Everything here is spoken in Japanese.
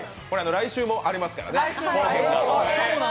来週もありますからね。